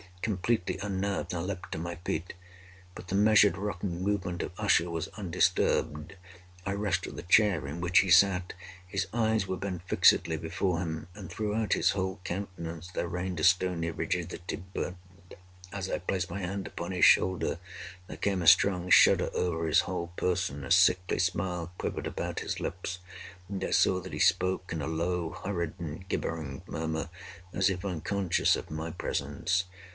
Completely unnerved, I leaped to my feet; but the measured rocking movement of Usher was undisturbed. I rushed to the chair in which he sat. His eyes were bent fixedly before him, and throughout his whole countenance there reigned a stony rigidity. But, as I placed my hand upon his shoulder, there came a strong shudder over his whole person; a sickly smile quivered about his lips; and I saw that he spoke in a low, hurried, and gibbering murmur, as if unconscious of my presence.